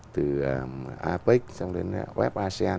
từ apec xong đến web asean